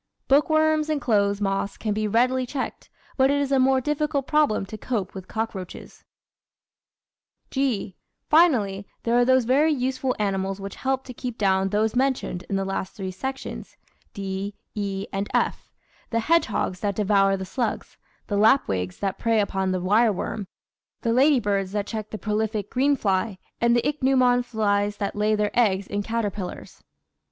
Bookworms and clothes moths can be readily checked, but it is a more difficult problem to cope with cock roaches, (g) Finally, there are those very useful animals which help to keep down those mentioned in the last three sections (d, e, 660 The Outline of Science and /), the hedgehogs that devour the slugs, the lapwings that prey upon the wireworm, the lady birds that check the prolific green fly, and the ichneumon flies that lay their eggs in caterpillars.